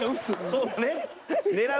そうだね。